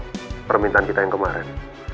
saya menjawab permintaan kita yang kemarin